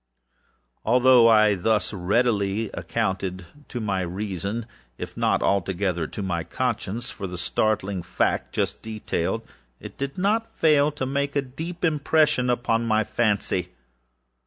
Although I thus readily accounted to my reason, if not altogether to my conscience, for the startling fact just detailed, it did not the less fail to make a deep impression upon my fancy.